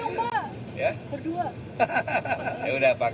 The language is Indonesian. dua duanya dong pak